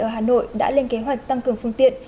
ở hà nội đã lên kế hoạch tăng cường phương tiện